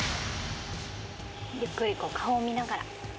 ゆっくり顔を見ながら。